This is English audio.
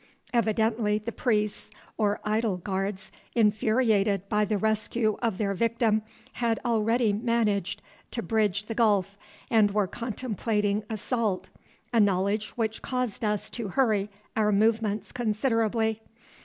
Evidently the priests, or idol guards, infuriated by the rescue of their victim, had already managed to bridge the gulf and were contemplating assault, a knowledge which caused us to hurry our movements considerably.